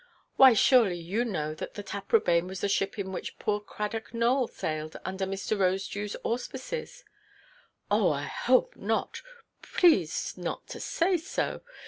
"Why, surely you know that the Taprobane was the ship in which poor Cradock Nowell sailed, under Mr. Rosedewʼs auspices." "Oh, I hope not. Please not to say so.